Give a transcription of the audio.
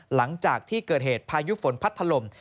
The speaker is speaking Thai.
หลังจากที่เกิดเหตุพายุฝนพัดถล่ม